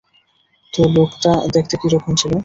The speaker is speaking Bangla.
তো লোকটা দেখতে কি রকম ছিলো?